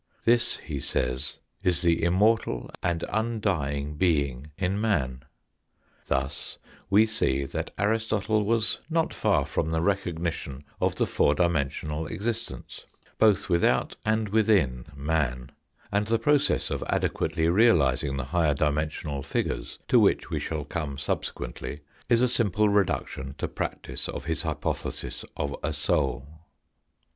This, he says, is the immortal and undying being in man. Thus we see that Aristotle was not far from the recognition of the four dimensional existence, both without and within man, and the process of adequately realising the higher dimensional figures to which we shall come subsequently is a simple reduction to practice of his hypothesis of a soul.